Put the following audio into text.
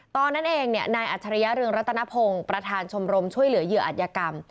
ตอนนั้นเองนายอัจฉริยะเรืองรัตนพงศ์ประธานชมรมช่วยเหลือเหยื่ออัธยกรรม